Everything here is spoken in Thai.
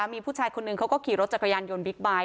มีผู้ชายคนนึงเขาก็ขี่รถจักรยานยนต์บิ๊กไบท์